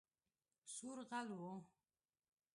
سور غل وو